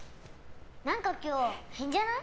何か今日、変じゃない？